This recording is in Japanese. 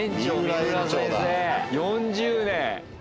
４０年。